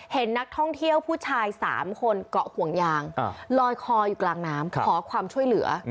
เห็นนักท่องเที่ยวผู้ชาย๓คนเกาะห่วงยางลอยคออยู่กลางน้ำขอความช่วยเหลือ